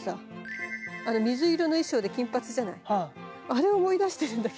あれ思い出してるんだけど。